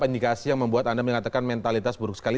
indikasi yang membuat anda mengatakan mentalitas buruk sekali